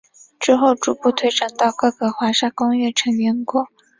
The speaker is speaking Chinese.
之后逐步推展到各个华沙公约成员国。